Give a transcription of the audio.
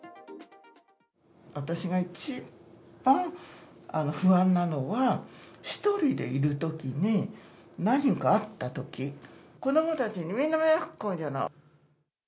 私が一番不安なのは、１人でいるときに何かあったとき、子どもたちにみんな迷惑かかるじゃない。